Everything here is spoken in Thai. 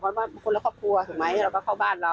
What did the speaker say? เพราะว่าคนละครอบครัวถูกไหมเราก็เข้าบ้านเรา